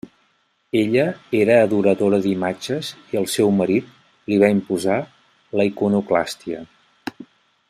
Ella era adoradora d'imatges i el seu marit li va imposar la iconoclàstia.